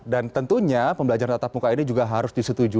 dan tentunya pembelajaran tetap muka ini juga harus diselenggarakan